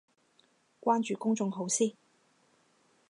關注公眾號先